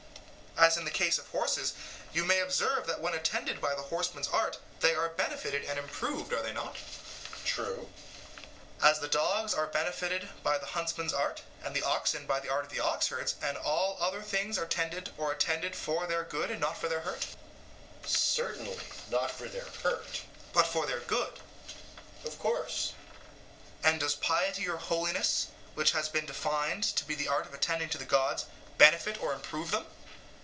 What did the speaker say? As in the case of horses, you may observe that when attended to by the horseman's art they are benefited and improved, are they not? EUTHYPHRO: True. SOCRATES: As the dogs are benefited by the huntsman's art, and the oxen by the art of the oxherd, and all other things are tended or attended for their good and not for their hurt? EUTHYPHRO: Certainly, not for their hurt. SOCRATES: But for their good? EUTHYPHRO: Of course. SOCRATES: And does piety or holiness, which has been defined to be the art of attending to the gods, benefit or improve them?